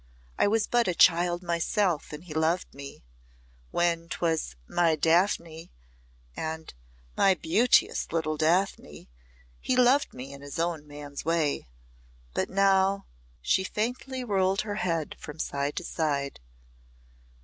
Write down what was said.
I was but a child myself and he loved me. When 'twas 'My Daphne,' and 'My beauteous little Daphne,' he loved me in his own man's way. But now " she faintly rolled her head from side to side.